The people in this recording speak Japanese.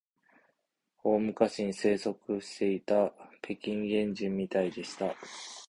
大昔に生息していた北京原人みたいでした